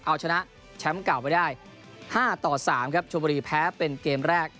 เอาชนะแชมป์เก่าไปได้๕ต่อ๓ครับชมบุรีแพ้เป็นเกมแรก